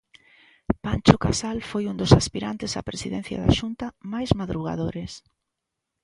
Pancho Casal foi un dos aspirantes á Presidencia da Xunta máis madrugadores.